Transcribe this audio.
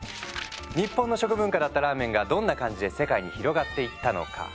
日本の食文化だったラーメンがどんな感じで世界に広がっていったのか？